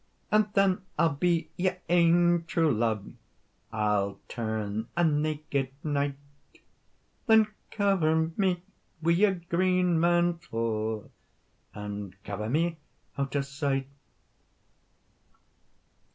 "And then I'll be your ain true love, I'll turn a naked knight; Then cover me wi your green mantle, And cover me out o sight."